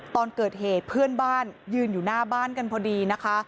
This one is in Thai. ตอนเกิดเหตุเพื่อนบ้านยืนอยู่หน้าบ้านกันพอดีนะคะ